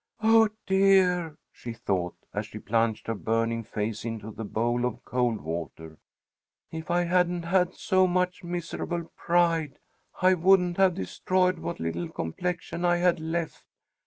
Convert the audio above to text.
"Oh dear," she thought, as she plunged her burning face into the bowl of cold water, "if I hadn't had so much miserable pride, I wouldn't have destroyed what little complexion I had left.